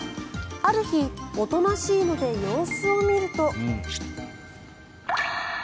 ある日、おとなしいので様子を見ると。